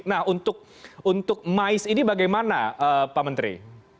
nah untuk mais ini bagaimana pak menteri